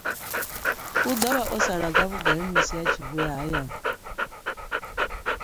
U ḓo vha o sala nga vhugai musi a tshi vhuya hayani?